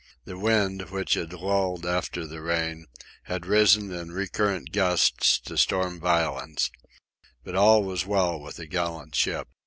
The wind, which had lulled after the rain, had risen in recurrent gusts to storm violence. But all was well with the gallant ship.